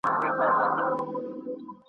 بله مهمه خبره داده.